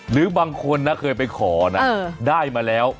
หรือบางคนนะเคยไปขอนะได้มาแล้ว